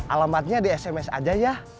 alamatnya di sms aja ya